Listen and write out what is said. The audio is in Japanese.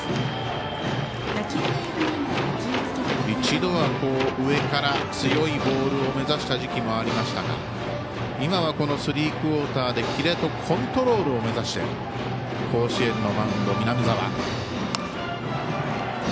一度は上から強いボールを目指した時期もありましたが今はスリークオーターでキレとコントロールを目指して甲子園のマウンド、南澤。